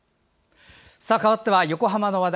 かわっては横浜の話題。